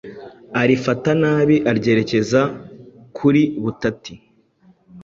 arifata nabi aryerekeza kuri butati,